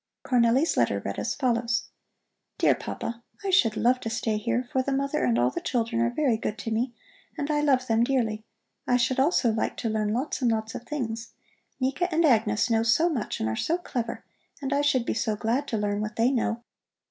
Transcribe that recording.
Cornelli's letter read as follows: DEAR PAPA: I should love to stay here, for the mother and all the children are very good to me, and I love them dearly. I should also like to learn lots and lots of things. Nika and Agnes know so much and are so clever, and I should be so glad to learn what they know.